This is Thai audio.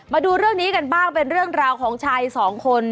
มาดูเรื่องนี้กันบ้างเป็นเรื่องราวของชายสองคน